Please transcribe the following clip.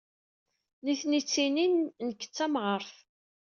Nitni ttinin nekk d tamɣart.